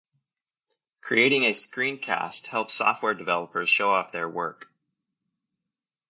Creating a screencast helps software developers show off their work.